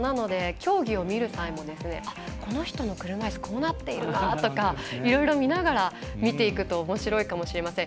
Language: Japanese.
競技を見る際もこの人の車いすこうなっているなとかいろいろ見ながら見ていくとおもしろいかもしれません。